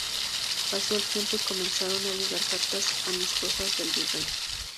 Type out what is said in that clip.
Pasó el tiempo y comenzaron a llegar cartas amistosas del Virrey.